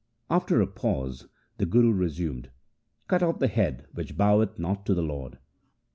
After a pause the Guru resumed :— Cut off the head which boweth not to the Lord.